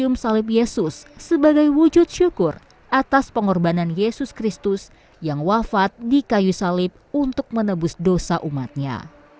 umat katolik berkata bahwa tuhan yesus sebagai wujud syukur atas pengorbanan yesus kristus yang wafat di kayu salib untuk menebus dosa umatnya